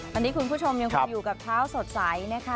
ตอนนี้คุณผู้ชมยังคงอยู่กับเท้าสดใสนะคะ